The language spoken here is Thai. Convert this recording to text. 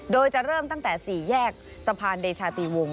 โดยจะเริ่มตั้งแต่๔แยกสะพานเดชาติวงศ